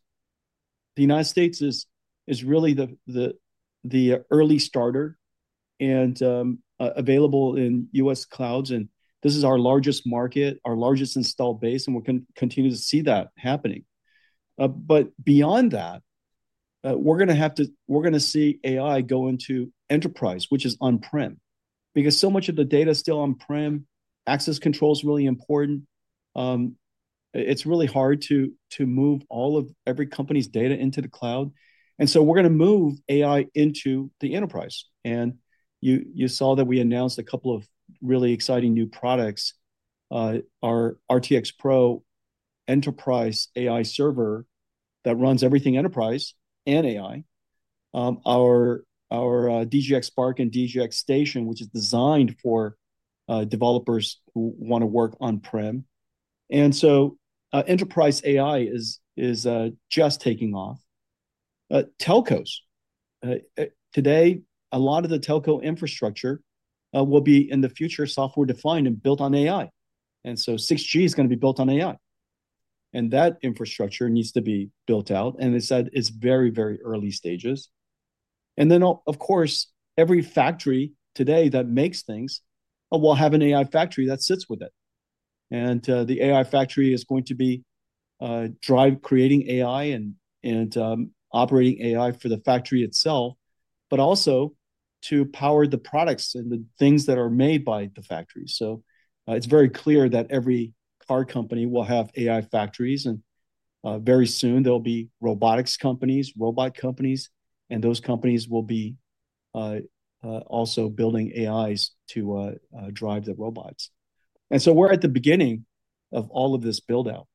The United States is really the early starter and available in U.S. clouds. This is our largest market, our largest installed base, and we're going to continue to see that happening. Beyond that, we're going to see AI go into enterprise, which is on-prem, because so much of the data is still on-prem. Access control is really important. It's really hard to move every company's data into the cloud. We're going to move AI into the enterprise. You saw that we announced a couple of really exciting new products, our RTX Pro enterprise AI server that runs everything enterprise and AI, our DGX Spark and DGX Station, which is designed for developers who want to work on-prem. Enterprise AI is just taking off. Telcos. Today, a lot of the telco infrastructure will be, in the future, software-defined and built on AI. 6G is going to be built on AI. That infrastructure needs to be built out. It is at its very, very early stages. Of course, every factory today that makes things will have an AI factory that sits with it. The AI factory is going to be creating AI and operating AI for the factory itself, but also to power the products and the things that are made by the factory. It is very clear that every car company will have AI factories. Very soon, there will be robotics companies, robot companies, and those companies will be also building AIs to drive the robots. We are at the beginning of all of this build-out.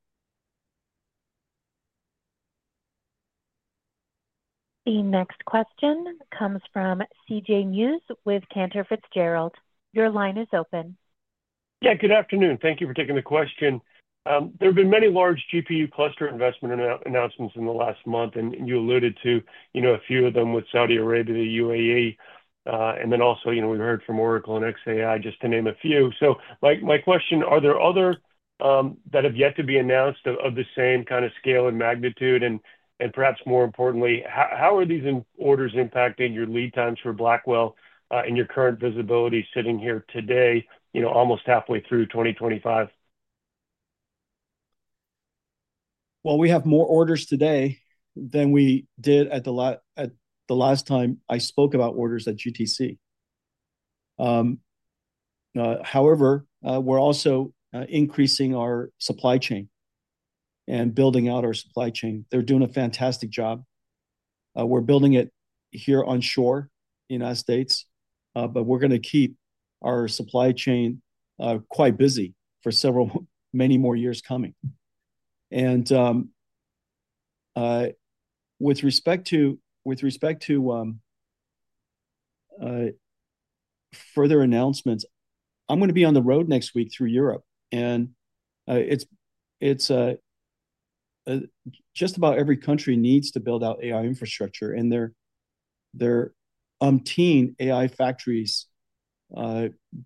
The next question comes from CJ Muse with Cantor Fitzgerald. Your line is open. Yeah, good afternoon. Thank you for taking the question. There have been many large GPU cluster investment announcements in the last month, and you alluded to a few of them with Saudi Arabia, the UAE, and then also we've heard from Oracle and xAI, just to name a few. My question, are there others that have yet to be announced of the same kind of scale and magnitude? Perhaps more importantly, how are these orders impacting your lead times for Blackwell and your current visibility sitting here today, almost halfway through 2025? We have more orders today than we did at the last time I spoke about orders at GTC. However, we're also increasing our supply chain and building out our supply chain. They're doing a fantastic job. We're building it here on shore in the United States, but we're going to keep our supply chain quite busy for many more years coming. With respect to further announcements, I'm going to be on the road next week through Europe. Just about every country needs to build out AI infrastructure, and there are umpteen AI factories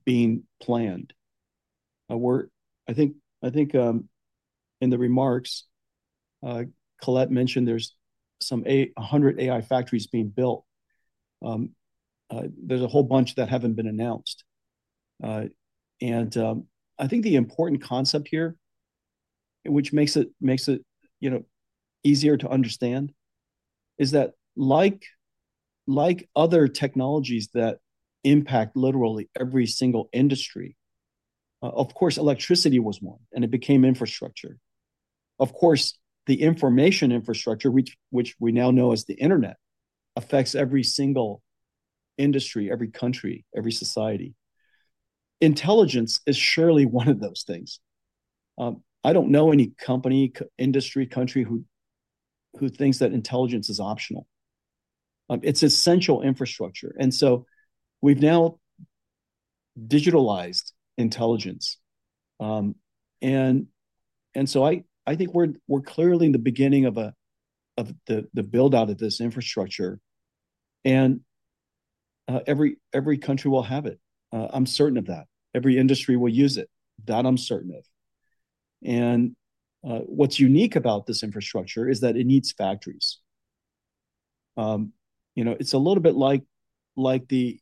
being planned. I think in the remarks, Colette mentioned there's 100 AI factories being built. There's a whole bunch that haven't been announced. I think the important concept here, which makes it easier to understand, is that like other technologies that impact literally every single industry, of course, electricity was one, and it became infrastructure. Of course, the information infrastructure, which we now know as the internet, affects every single industry, every country, every society. Intelligence is surely one of those things. I don't know any company, industry, country who thinks that intelligence is optional. It's essential infrastructure. We've now digitalized intelligence. I think we're clearly in the beginning of the build-out of this infrastructure. Every country will have it. I'm certain of that. Every industry will use it. That I'm certain of. What's unique about this infrastructure is that it needs factories. It's a little bit like the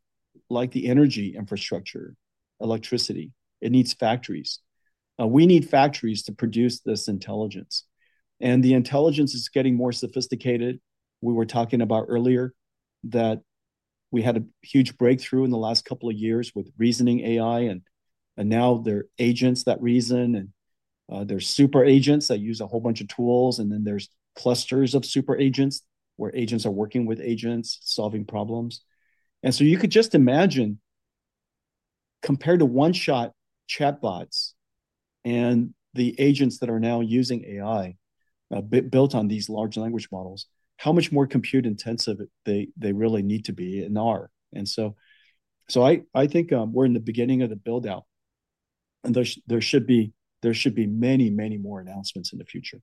energy infrastructure, electricity. It needs factories. We need factories to produce this intelligence. The intelligence is getting more sophisticated. We were talking about earlier that we had a huge breakthrough in the last couple of years with reasoning AI. Now there are agents that reason, and there are super agents that use a whole bunch of tools. There's clusters of super agents where agents are working with agents, solving problems. You could just imagine, compared to one-shot chatbots and the agents that are now using AI built on these large language models, how much more compute-intensive they really need to be and are. I think we're in the beginning of the build-out. There should be many, many more announcements in the future.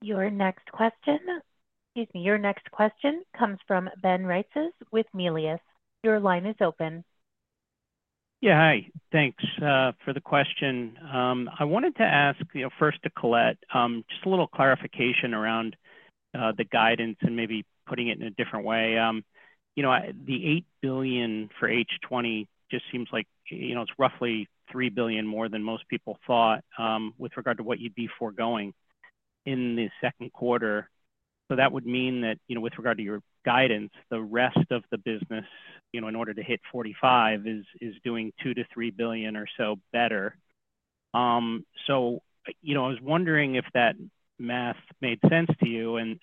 Your next question comes from Ben Reitzes with Melius. Your line is open. Yeah, hi. Thanks for the question. I wanted to ask first to Colette just a little clarification around the guidance and maybe putting it in a different way. The $8 billion for H20 just seems like it's roughly $3 billion more than most people thought with regard to what you'd be foregoing in the second quarter. That would mean that with regard to your guidance, the rest of the business, in order to hit 45, is doing $2 billion-$3 billion or so better. I was wondering if that math made sense to you. In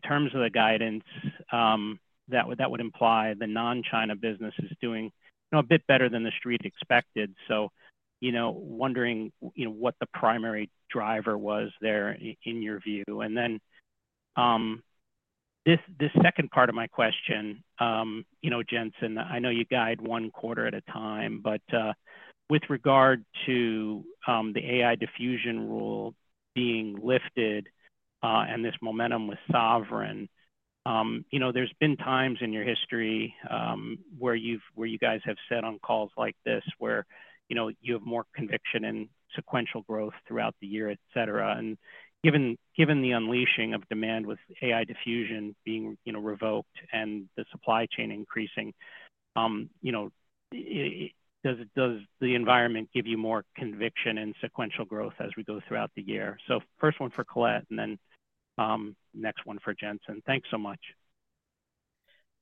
terms of the guidance, that would imply the non-China business is doing a bit better than the street expected. Wondering what the primary driver was there in your view. This second part of my question, Jensen, I know you guide one quarter at a time. With regard to the AI diffusion rule being lifted and this momentum with Sovereign, there have been times in your history where you guys have sat on calls like this where you have more conviction and sequential growth throughout the year, etc. Given the unleashing of demand with AI diffusion being revoked and the supply chain increasing, does the environment give you more conviction and sequential growth as we go throughout the year? First one for Colette, and then next one for Jensen. Thanks so much.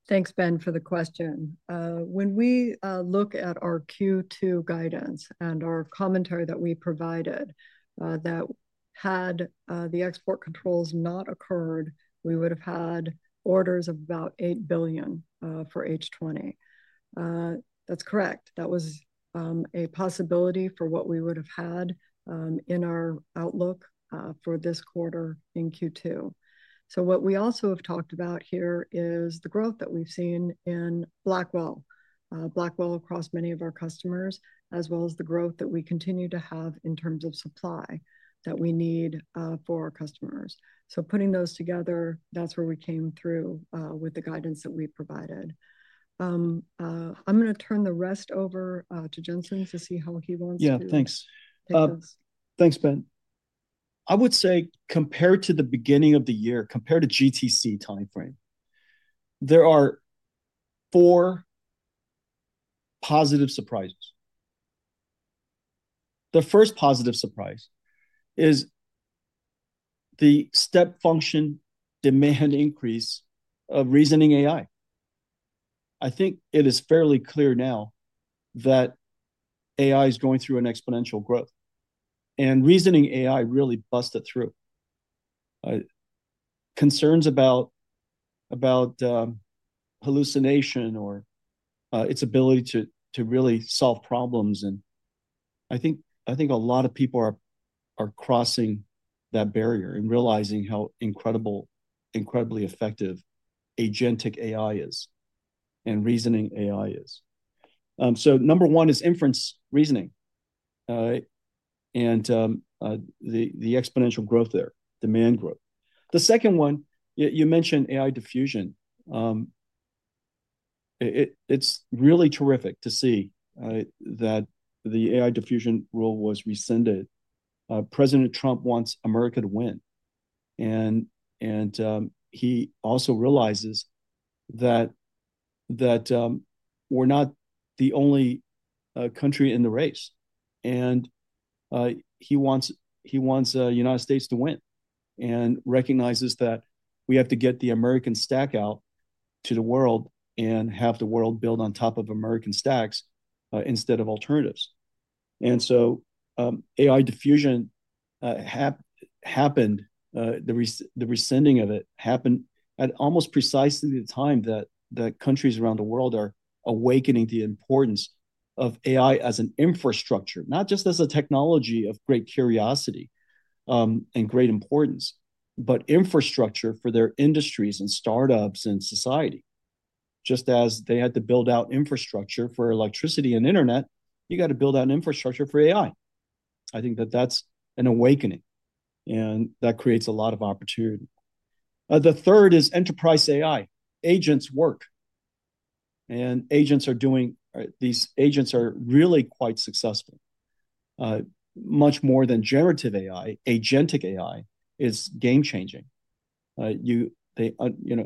Thanks, Ben, for the question. When we look at our Q2 guidance and our commentary that we provided that had the export controls not occurred, we would have had orders of about $8 billion for H20. That's correct. That was a possibility for what we would have had in our outlook for this quarter in Q2. What we also have talked about here is the growth that we've seen in Blackwell, Blackwell across many of our customers, as well as the growth that we continue to have in terms of supply that we need for our customers. Putting those together, that's where we came through with the guidance that we provided. I'm going to turn the rest over to Jensen to see how he wants to. Yeah, thanks. Thanks, Ben. I would say compared to the beginning of the year, compared to GTC timeframe, there are four positive surprises. The first positive surprise is the step function demand increase of reasoning AI. I think it is fairly clear now that AI is going through an exponential growth. Reasoning AI really busted through. Concerns about hallucination or its ability to really solve problems. I think a lot of people are crossing that barrier and realizing how incredibly effective agentic AI is and reasoning AI is. Number one is inference reasoning and the exponential growth there, demand growth. The second one, you mentioned AI diffusion. It's really terrific to see that the AI diffusion rule was rescinded. President Trump wants America to win. He also realizes that we're not the only country in the race. He wants the United States to win and recognizes that we have to get the American stack out to the world and have the world build on top of American stacks instead of alternatives. AI diffusion happened. The rescinding of it happened at almost precisely the time that countries around the world are awakening to the importance of AI as an infrastructure, not just as a technology of great curiosity and great importance, but infrastructure for their industries and startups and society. Just as they had to build out infrastructure for electricity and internet, you got to build out infrastructure for AI. I think that that's an awakening, and that creates a lot of opportunity. The third is enterprise AI. Agents work. And these agents are really quite successful. Much more than generative AI, agentic AI is game-changing.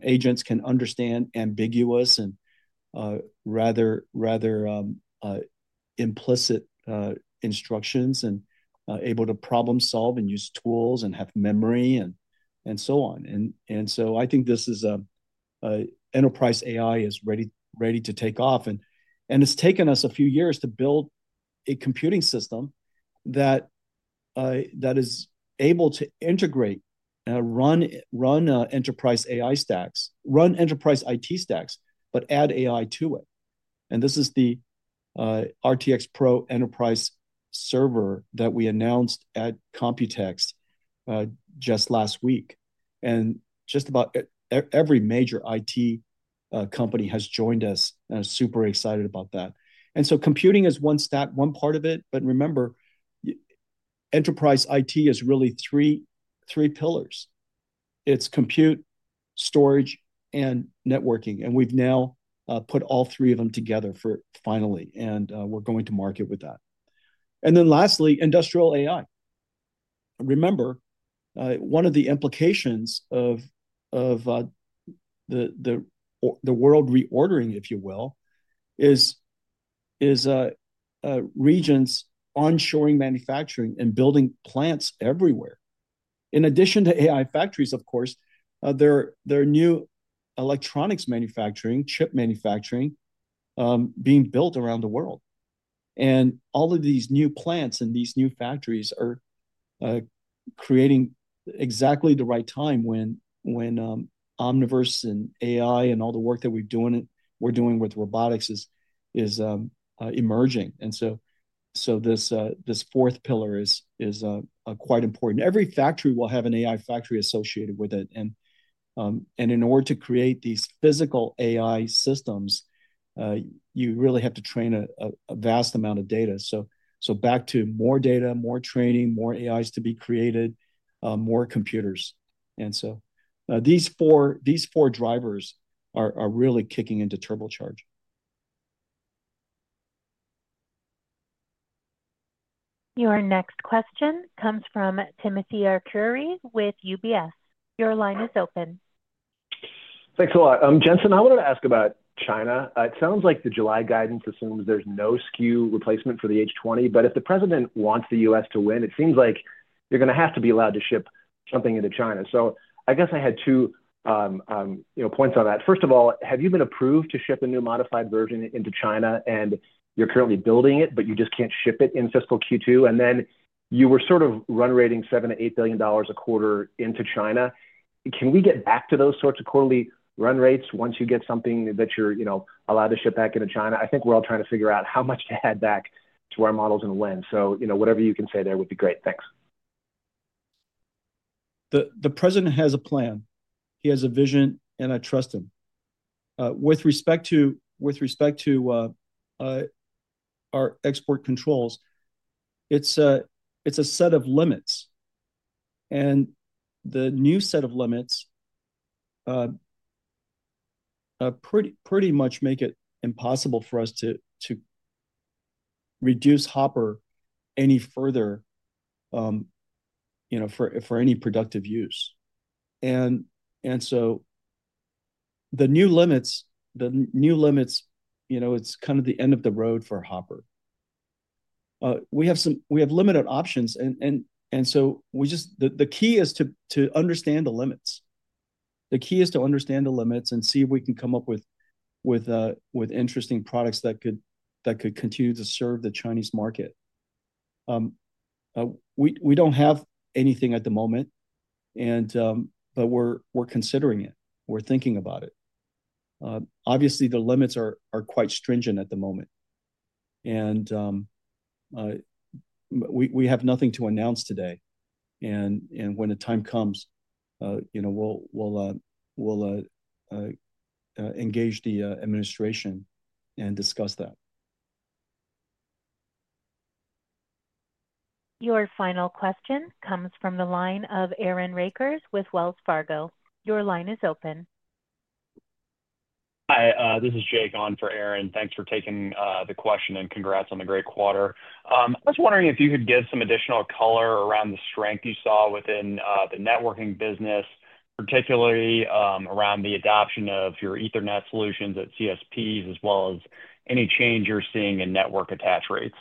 Agents can understand ambiguous and rather implicit instructions and are able to problem-solve and use tools and have memory and so on. I think this enterprise AI is ready to take off. It's taken us a few years to build a computing system that is able to integrate and run enterprise AI stacks, run enterprise IT stacks, but add AI to it. This is the RTX Pro enterprise server that we announced at Computex just last week. Just about every major IT company has joined us and are super excited about that. Computing is one part of it. Remember, enterprise IT is really three pillars. It's compute, storage, and networking. We have now put all three of them together finally, and we are going to market with that. Lastly, industrial AI. Remember, one of the implications of the world reordering, if you will, is regions onshoring manufacturing and building plants everywhere. In addition to AI factories, of course, there are new electronics manufacturing, chip manufacturing being built around the world. All of these new plants and these new factories are creating exactly the right time when Omniverse and AI and all the work that we are doing with robotics is emerging. This fourth pillar is quite important. Every factory will have an AI factory associated with it. In order to create these physical AI systems, you really have to train a vast amount of data. Back to more data, more training, more AIs to be created, more computers. These four drivers are really kicking into turbocharge. Your next question comes from Timothy Arcuri with UBS. Your line is open. Thanks a lot. Jensen, I wanted to ask about China. It sounds like the July guidance assumes there's no SKU replacement for the H20. If the president wants the U.S. to win, it seems like you're going to have to be allowed to ship something into China. I guess I had two points on that. First of all, have you been approved to ship a new modified version into China? You're currently building it, but you just can't ship it in fiscal Q2. You were sort of run rating $7 billion-$8 billion a quarter into China. Can we get back to those sorts of quarterly run rates once you get something that you're allowed to ship back into China? I think we're all trying to figure out how much to add back to our models and when. Whatever you can say there would be great. Thanks. The president has a plan. He has a vision, and I trust him. With respect to our export controls, it's a set of limits. The new set of limits pretty much make it impossible for us to reduce Hopper any further for any productive use. The new limits, it's kind of the end of the road for Hopper. We have limited options. The key is to understand the limits. The key is to understand the limits and see if we can come up with interesting products that could continue to serve the Chinese market. We don't have anything at the moment, but we're considering it. We're thinking about it. Obviously, the limits are quite stringent at the moment. We have nothing to announce today. When the time comes, we'll engage the administration and discuss that. Your final question comes from the line of Aaron Rakers with Wells Fargo. Your line is open. Hi. This is Jake On for Aaron. Thanks for taking the question and congrats on the great quarter. I was wondering if you could give some additional color around the strength you saw within the networking business, particularly around the adoption of your Ethernet solutions at CSPs, as well as any change you're seeing in network attach rates.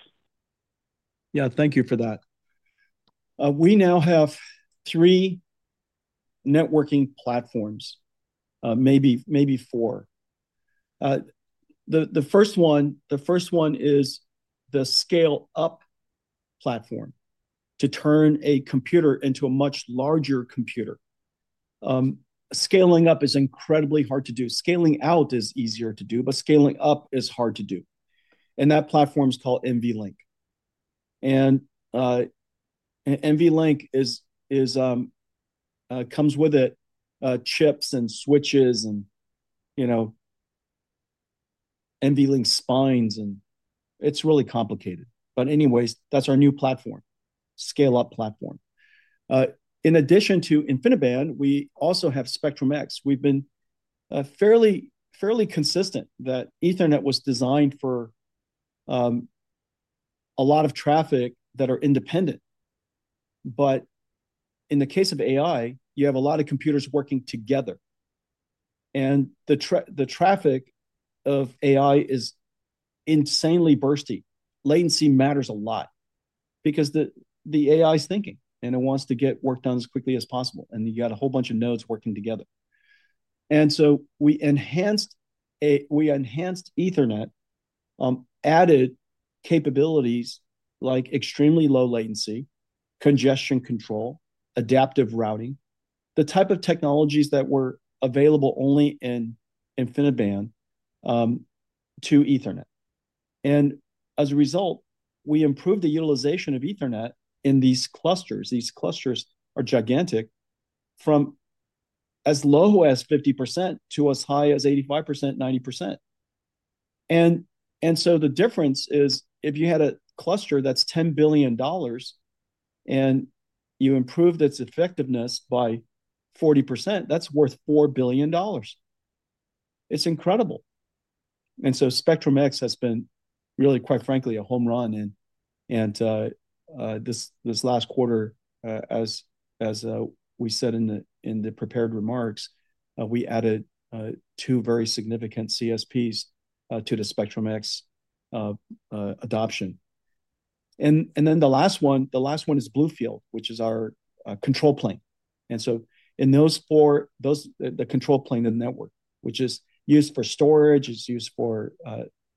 Yeah, thank you for that. We now have three networking platforms, maybe four. The first one is the scale-up platform to turn a computer into a much larger computer. Scaling up is incredibly hard to do. Scaling out is easier to do, but scaling up is hard to do. That platform is called NVLink. NVLink comes with chips and switches and NVLink spines. It is really complicated. Anyways, that is our new platform, scale-up platform. In addition to InfiniBand, we also have SpectrumX. We have been fairly consistent that Ethernet was designed for a lot of traffic that are independent. In the case of AI, you have a lot of computers working together. The traffic of AI is insanely bursty. Latency matters a lot because the AI is thinking, and it wants to get work done as quickly as possible. You have a whole bunch of nodes working together. We enhanced Ethernet, added capabilities like extremely low latency, congestion control, adaptive routing, the type of technologies that were available only in InfiniBand to Ethernet. As a result, we improved the utilization of Ethernet in these clusters. These clusters are gigantic, from as low as 50% to as high as 85%, 90%. The difference is if you had a cluster that's $10 billion and you improved its effectiveness by 40%, that's worth $4 billion. It's incredible. SpectrumX has been really, quite frankly, a home run in this last quarter. As we said in the prepared remarks, we added two very significant CSPs to the SpectrumX adoption. The last one is BlueField, which is our control plane. In those four, the control plane, the network, which is used for storage, is used for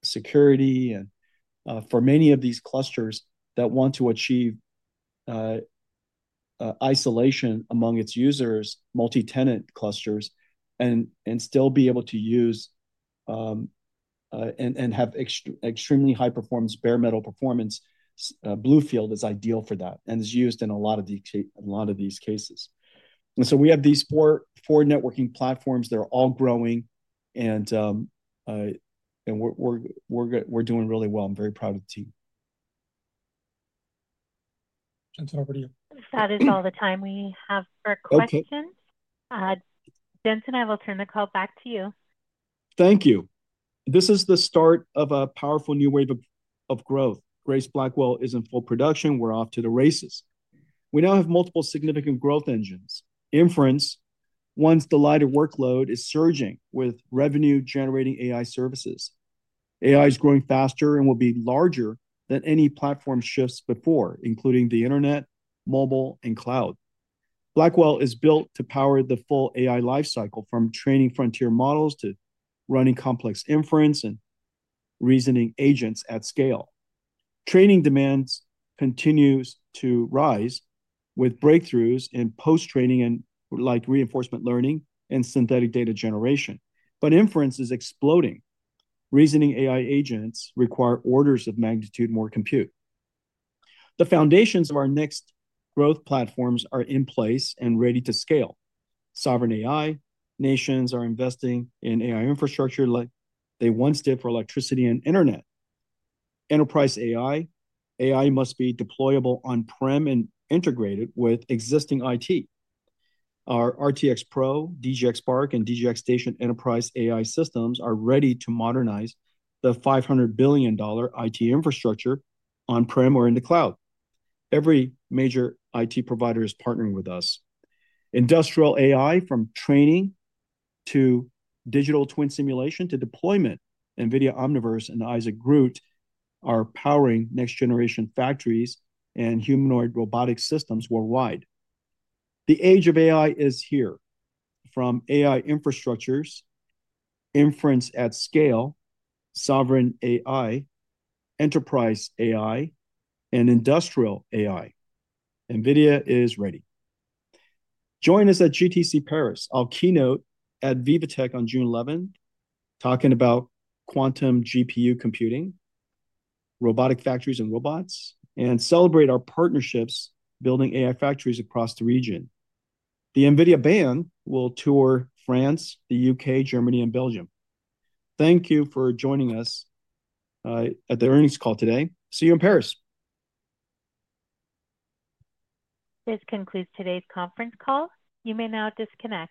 security, and for many of these clusters that want to achieve isolation among its users, multi-tenant clusters, and still be able to use and have extremely high-performance bare metal performance, BlueField is ideal for that and is used in a lot of these cases. We have these four networking platforms. They are all growing. We are doing really well. I am very proud of the team. Jensen, over to you. That is all the time we have for questions. Jensen and I will turn the call back to you. Thank you. This is the start of a powerful new wave of growth. Grace Blackwell is in full production. We are off to the races. We now have multiple significant growth engines. Inference, one's the light of workload, is surging with revenue-generating AI services. AI is growing faster and will be larger than any platform shifts before, including the internet, mobile, and cloud. Blackwell is built to power the full AI lifecycle from training frontier models to running complex inference and reasoning agents at scale. Training demands continue to rise with breakthroughs in post-training and reinforcement learning and synthetic data generation. Inference is exploding. Reasoning AI agents require orders of magnitude more compute. The foundations of our next growth platforms are in place and ready to scale. Sovereign AI nations are investing in AI infrastructure like they once did for electricity and internet. Enterprise AI must be deployable on-prem and integrated with existing IT. Our RTX Pro, DGX Spark, and DGX Station enterprise AI systems are ready to modernize the $500 billion IT infrastructure on-prem or in the cloud. Every major IT provider is partnering with us. Industrial AI, from training to digital twin simulation to deployment, NVIDIA Omniverse and Isaac GR00T are powering next-generation factories and humanoid robotic systems worldwide. The age of AI is here. From AI infrastructures, inference at scale, sovereign AI, enterprise AI, and industrial AI, NVIDIA is ready. Join us at GTC Paris. I'll keynote at VivaTech on June 11, talking about quantum GPU computing, robotic factories and robots, and celebrate our partnerships building AI factories across the region. The NVIDIA band will tour France, the U.K., Germany, and Belgium. Thank you for joining us at the earnings call today. See you in Paris. This concludes today's conference call. You may now disconnect.